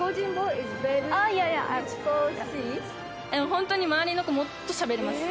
本当に周りの子、もっとしゃべれます。